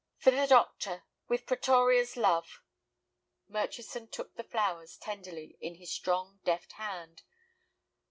"For the doctor, with Pretoria's love." Murchison took the flowers tenderly in his strong, deft hand.